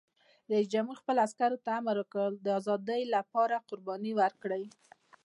رئیس جمهور خپلو عسکرو ته امر وکړ؛ د ازادۍ لپاره قرباني ورکړئ!